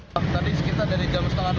gerak banget ini kita mau lebih cepat